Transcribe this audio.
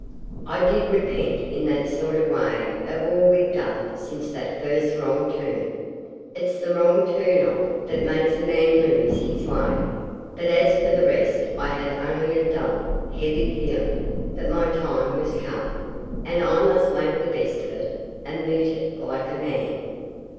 I did repent in that sort of way of all we'd done since that first wrong turn. It's the wrong turn off that makes a man lose his way; but as for the rest I had only a dull, heavy feeling that my time was come, and I must make the best of it, and meet it like a man.